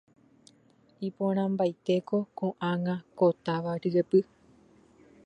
iporãmbaitéko ko'ág̃a ko táva ryepy.